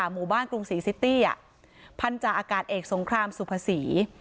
หมู่บ้านกรุงศรีซิตี้พันธาอากาศเอกสงครามสุภาษี